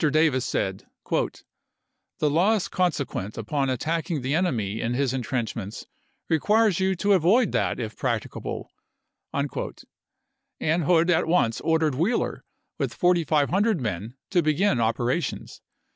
Davis said :" The loss consequent upon attacking the enemy in his intrenchments requires you to avoid ^ Hood, that if practicable"; and Hood at once ordered and Wheeler with 4500 men to begin operations.